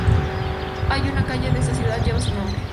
Hoy, una calle de esa ciudad lleva su nombre.